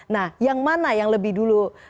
nah yang mana yang lebih dulu